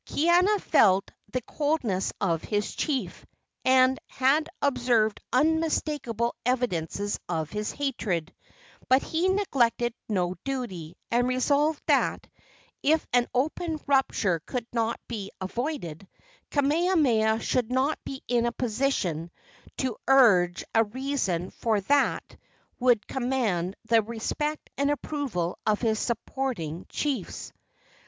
Kaiana felt the coldness of his chief, and had observed unmistakable evidences of his hatred; but he neglected no duty, and resolved that, if an open rupture could not be avoided, Kamehameha should not be in a position to urge a reason for it that would command the respect and approval of his supporting chiefs.